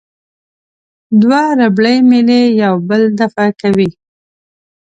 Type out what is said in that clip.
دوه ربړي میلې یو بل دفع کوي.